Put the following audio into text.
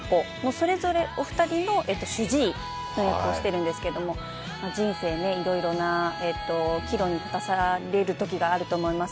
それぞれお二人の主治医の役をしてるんですけれども、人生いろいろな岐路に立たされることがあると思います。